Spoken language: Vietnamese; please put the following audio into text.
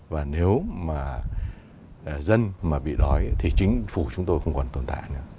và nếu mà dân bị đói thì chính phủ chúng tôi không còn tồn tại nữa